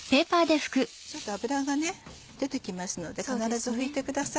ちょっと脂が出てきますので必ず拭いてください。